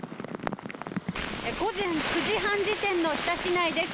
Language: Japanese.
午前９時半時点の日田市内です。